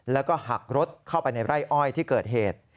แล้วก็หักรถเข้าไปในไร่อ้อยที่เกิดเหตุ